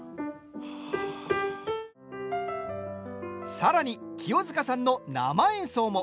さらに、清塚さんの生演奏も。